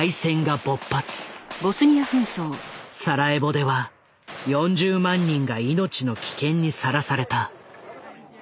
サラエボでは４０万人が命の危険にさらされた。